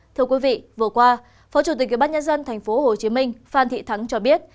thưa quý vị vừa qua phó chủ tịch kế bác nhân dân tp hcm phan thị thắng cho biết